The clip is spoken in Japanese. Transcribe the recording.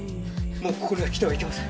もうここには来てはいけません！